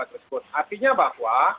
tersebut artinya bahwa